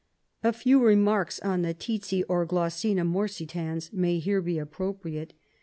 "A few remarks on the tsetse, or Glossina morsitans, may here be appropriate.